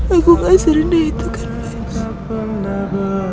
aku gak sering nentukanmu